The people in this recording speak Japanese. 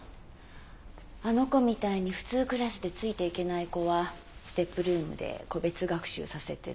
あの子みたいに普通クラスでついていけない子はＳＴＥＰルームで個別学習させてる。